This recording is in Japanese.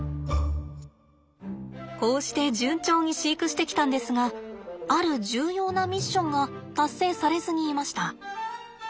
こうして順調に飼育してきたんですがある重要なミッションが達成されずにいました。